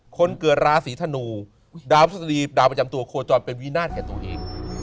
คนเกิดราศรีธนูดาวประจำตัวโคจรเป็นวินาทแก่ตัวเอง